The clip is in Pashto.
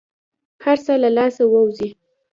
هر څه له لاسه ووزي.